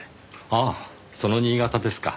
ああその新潟ですか。